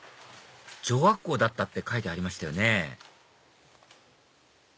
女学校だったって書いてありましたよね